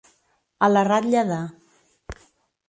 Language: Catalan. A la ratlla de.